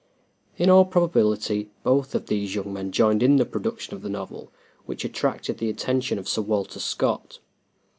In all probability, both of these young men joined in the production of the novel which attracted the attention of Sir Walter Scott.